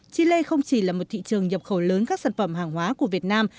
chile không chỉ là một thị trường nhập khẩu lớn các sản phẩm hàng hóa của việt nam